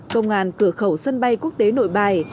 công an cửa khẩu sân bay quốc tế nội bài